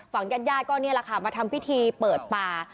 ฝั่งญาติย่ายก็เนี่ยละค่ะมาทำพิธีเปิดป่า